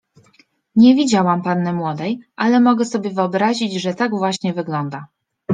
Nie widziałam panny młodej, ale mogę sobie wyobrazić, że tak właśnie wygląda!